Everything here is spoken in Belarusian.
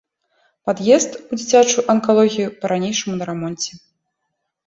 Пад'езд у дзіцячую анкалогію па-ранейшаму на рамонце.